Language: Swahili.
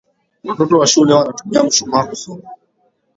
Watoto wa shule wanatumia mshumaa kusoma.